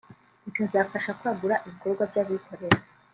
bikazafasha kwagura ibikorwa by’abikorera